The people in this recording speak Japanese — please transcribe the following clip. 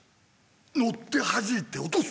乗ってはじいて落とす！